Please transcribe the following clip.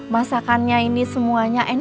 masakannya ini semuanya enak enak loh